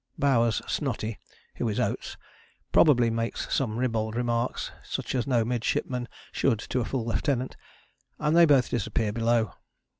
Bowers' 'snotty,' who is Oates, probably makes some ribald remarks, such as no midshipman should to a full lieutenant, and they both disappear below.